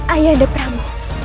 ayah anda prabu